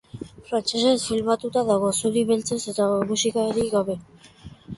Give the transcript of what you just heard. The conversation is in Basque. Frantsesez filmatuta dago, zuri-beltzean, eta musikarik gabe.